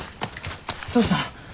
どうした。